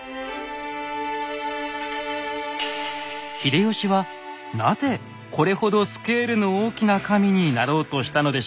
秀吉はなぜこれほどスケールの大きな神になろうとしたのでしょうか？